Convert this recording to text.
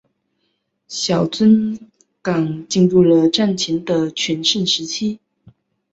小樽港进入了战前的全盛时期。